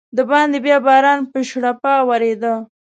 دباندې بیا باران په شړپا ورېده.